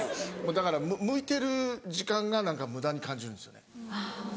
だからむいてる時間が何か無駄に感じるんですよね。